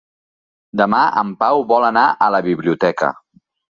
Demà en Pau vol anar a la biblioteca.